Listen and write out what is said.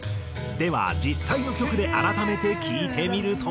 では実際の曲で改めて聴いてみると。